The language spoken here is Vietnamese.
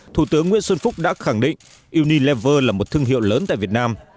thủ tướng nguyễn xuân phúc đã khẳng định unilever là một thương hiệu lớn tại việt nam